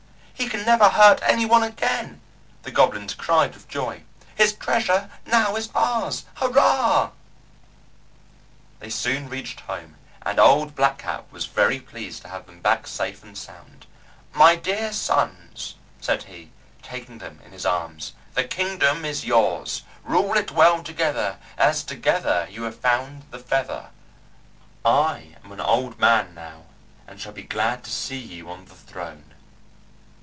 "He can never hurt any one again," the goblins cried with joy. "His treasure now is ours. Hurrah!" They soon reached home, and Old Black Cap was very pleased to have them back safe and sound. "My dear sons," said he, taking them in his arms, "the kingdom is yours. Rule it well together, as together you have found the Feather. I am an old man now, and shall be glad to see you on the throne."